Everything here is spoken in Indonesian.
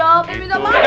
ya pausat ya